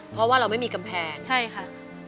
เพราะว่าเราไม่มีกำแพงใช่ค่ะ